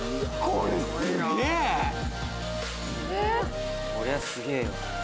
こりゃすげぇわ！